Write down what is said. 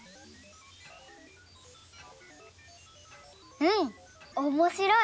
うんおもしろい。